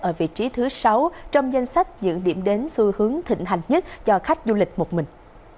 ở vị trí thứ sáu trong danh sách những điểm đến xu hướng thịnh hành nhất cho khách du lịch một mình